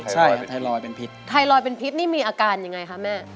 ใช่ครับไทรอยด์เป็นพิษไทรอยด์เป็นพิษนี่มีอาการยังไงคะแม่